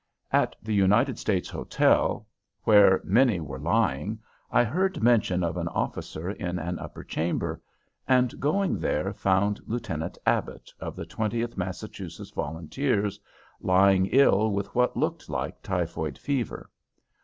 At the United States Hotel, where many were lying, I heard mention of an officer in an upper chamber, and, going there, found Lieutenant Abbott, of the Twentieth Massachusetts Volunteers, lying ill with what looked like typhoid fever.